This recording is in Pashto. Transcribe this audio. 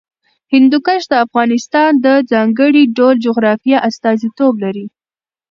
هندوکش د افغانستان د ځانګړي ډول جغرافیه استازیتوب کوي.